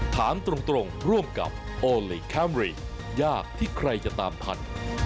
ถามตรงร่วมกับโอลี่คัมรี่ยากที่ใครจะตามทัน